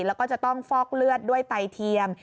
แล้วก็จะต้องฟอกเลือดด้วยไตเทียม